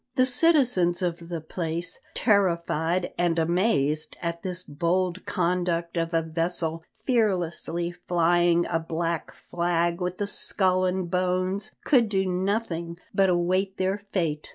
The citizens of the place, terrified and amazed at this bold conduct of a vessel fearlessly flying a black flag with the skull and bones, could do nothing but await their fate.